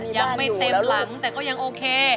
ยังไม่เต็มหลังแต่ก็ยังโอเค